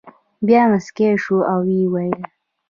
بیا مسکی شو او ویې ویل.